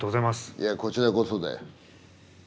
いやこちらこそだよ。